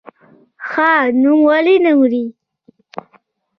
ښه نوم ولې نه مري؟